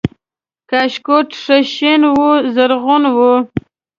کاشکوټ ښه شین و زرغون و